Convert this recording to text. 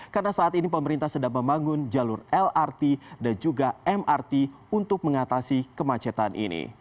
karena saat ini pemerintah sedang membangun jalur lrt dan juga mrt untuk mengatasi kemacetan ini